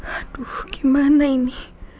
aduh gimana ini